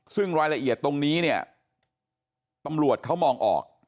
ซึ่งรายละเอียดตรงนี้เนี่ยตำรวจเขามองออก